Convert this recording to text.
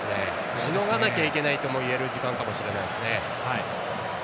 しのがなきゃいけないとも言える時間かもしれません。